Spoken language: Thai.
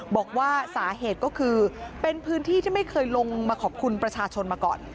บอกว่าสาเหตุก็คือเป็นพื้นที่ที่ไม่เคยลงมาขอบคุณประชาชนมาก่อน